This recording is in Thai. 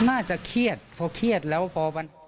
น่าจะเครียดเพราะเครียดแล้ว